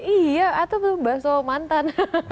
iya atau baso mantan